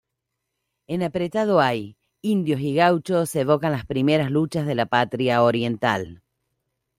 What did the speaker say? En apretado hay, indios y gauchos evocan las primeras luchas de la patria oriental.